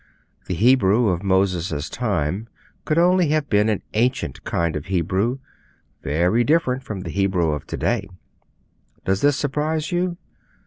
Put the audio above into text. The Hebrew of Moses' time could only have been an ancient kind of Hebrew, very different from the Hebrew of to day. Does this surprise you?